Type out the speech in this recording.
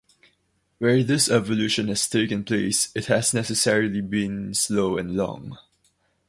Where this evolution has taken place it has necessarily been slow and long.